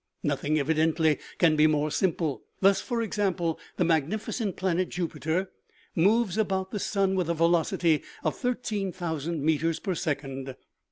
Nothing evidently, can be more simple. Thus, for example, the magnificent planet, Jupiter, moves about the sun with a velocity of 13,000 meters per second.